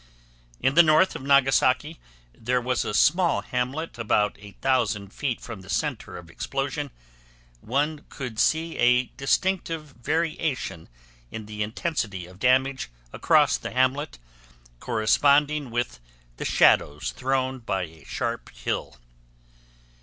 In the north of Nagasaki there was a small hamlet about 8,000 feet from the center of explosion; one could see a distinctive variation in the intensity of damage across the hamlet, corresponding with the shadows thrown by a sharp hill.